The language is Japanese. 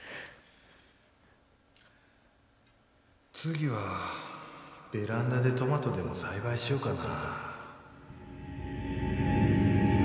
次はベランダでトマトでも栽培しようかな。